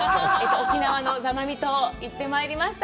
沖縄の座間味島、行ってまいりました。